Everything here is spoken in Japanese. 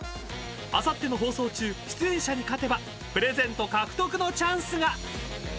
［あさっての放送中出演者に勝てばプレゼント獲得のチャンスが］